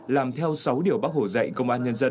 làm theo sáu điều bác hồ dạy công an nhân dân